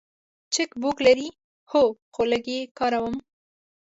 چک بوک لرئ؟ هو، خو لږ یی کاروم